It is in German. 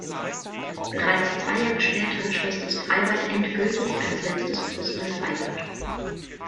Bereits zwei Jahre später schloss das Freibad endgültig als letztes Brüsseler Freibad.